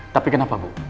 tapi kenapa bu